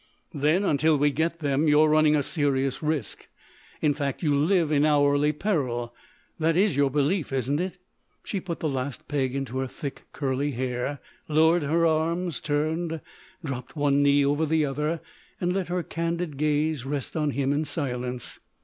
"Then, until we get them, you're running a serious risk. In fact, you live in hourly peril. That is your belief, isn't it?" She put the last peg into her thick, curly hair, lowered her arms, turned, dropped one knee over the other, and let her candid gaze rest on him in silence.